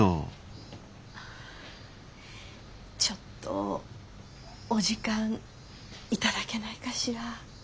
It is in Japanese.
ちょっとお時間頂けないかしら。